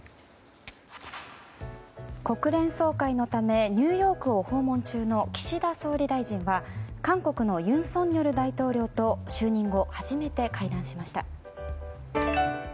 国連総会のためニューヨークを訪問中の岸田総理大臣は韓国の尹錫悦大統領と就任後初めて会談しました。